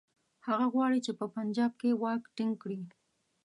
هغه غواړي په پنجاب کې واک ټینګ کړي.